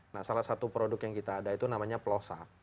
nah salah satu produk yang kita ada itu namanya plosa